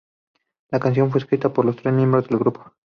La canción fue escrita por los tres miembros del grupo.